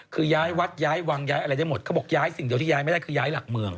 คือย้ายวัดย้ายวังย้ายอะไรได้หมดเขาบอกย้ายสิ่งเดียวที่ย้ายไม่ได้คือย้ายหลักเมือง